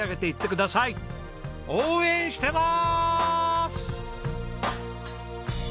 応援してます！